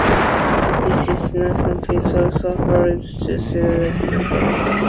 This northern piece also follows the Sierra Nevada.